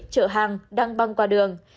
trợ hàng đăng băng qua đường